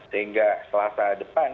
sehingga setelah saat depan